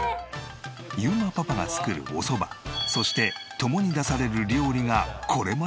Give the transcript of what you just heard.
裕磨パパが作るおそばそして共に出される料理がこれまた絶品だという。